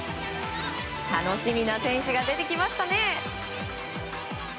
楽しみな選手が出てきましたね。